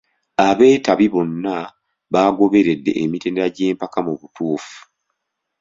Abeetabi bonna baagoberedde emitendera gy'empaka mu butuufu.